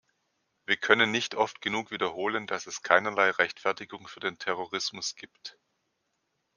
Wir können nicht oft genug wiederholen, dass es keinerlei Rechtfertigung für den Terrorismus gibt.